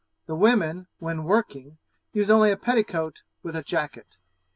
The women, when working, use only a petticoat, with a jacket.